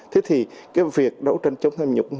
thế thì cái việc đấu tranh chống tham nhũng